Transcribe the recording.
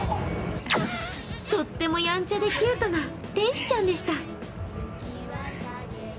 とってもやんちゃで、キュートな天使ちゃんでした。